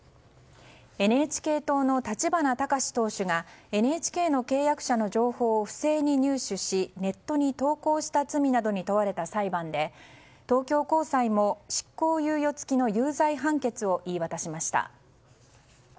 ＮＨＫ党の立花孝志党首がＮＨＫの契約者の情報を不正に入手しネットに投稿した罪などに問われた裁判で、東京高裁も執行猶予付きの有罪判決を言い渡しました。